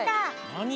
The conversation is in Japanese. なに？